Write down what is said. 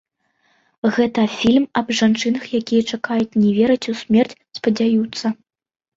Гэта фільм аб жанчынах, якія чакаюць, не вераць у смерць, спадзяюцца.